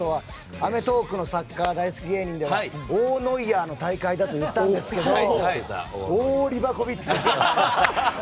「アメトーーク！」のサッカー大好き芸人では大ノイアーの大会だといいましたけど大リバコビッチでしたよ。